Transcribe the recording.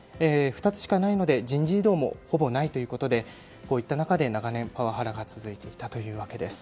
２つしかないので人事異動もほぼないということでこういった中で長年パワハラが続いていたということです。